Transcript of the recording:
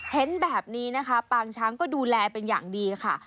เห็นแบบนี้นะคะปางช้างก็ดูแลเป็นอย่างดีค่ะ